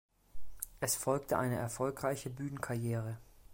Es folgte eine erfolgreiche Bühnenkarriere.